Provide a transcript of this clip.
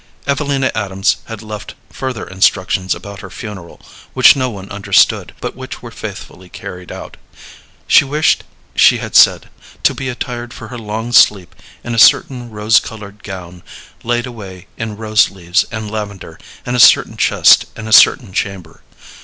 Evelina Adams had left further instructions about her funeral, which no one understood, but which were faithfully carried out. She wished, she had said, to be attired for her long sleep in a certain rose colored gown, laid away in rose leaves and lavender in a certain chest in a certain chamber.